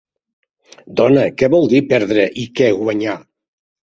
Dona, què vol dir perdre i què guanyar?